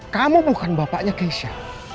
kamu bukan bapaknya keisha